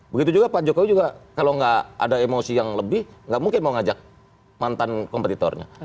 begitu juga pak jokowi juga kalau nggak ada emosi yang lebih nggak mungkin mau ngajak mantan kompetitornya